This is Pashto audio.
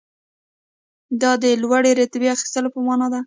دا د لوړې رتبې اخیستلو په معنی ده.